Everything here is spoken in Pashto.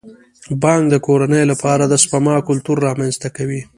بانک د کورنیو لپاره د سپما کلتور رامنځته کوي.